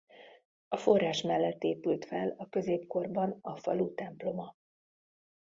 A forrás mellett épült fel a középkorban a falu temploma.